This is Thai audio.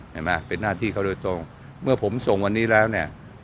เห็นไหมเป็นหน้าที่เขาโดยตรงเมื่อผมส่งวันนี้แล้วเนี่ย